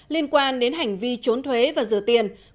liên quan đến hành vi trốn thuế và rửa tiền